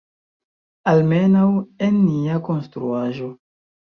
Almenaŭ, en nia konstruaĵo.